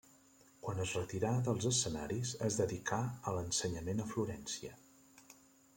Quan es retirà dels escenaris es dedicà a l'ensenyament a Florència.